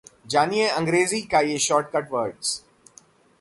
जानिए अंग्रेजी के ये शॉर्टकट Words